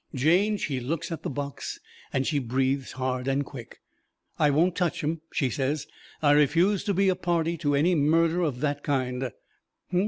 Jane, she looks at the box, and she breathes hard and quick. "I won't touch 'em," she says. "I refuse to be a party to any murder of that kind."